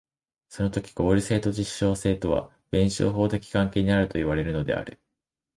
そのとき合理性と実証性とは弁証法的関係にあるといわれるのである。